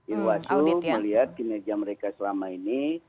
irwasu melihat kinerja mereka selama ini